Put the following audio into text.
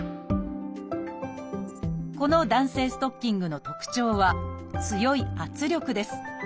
この弾性ストッキングの特徴は強い圧力です。